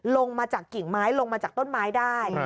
ลงมาจากกิ่งไม้ลงมาจากต้นไม้ได้